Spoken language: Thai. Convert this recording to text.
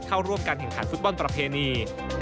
เข้าร่วมการแข่งขันฟุตบอลประเพณี